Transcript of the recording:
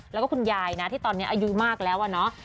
แล้วก็คุณยายนะที่ตอนนี้อายุมากแล้วอะเนาะ